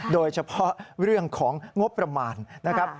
โดยเฉพาะเรื่องของงบประมาณนะครับ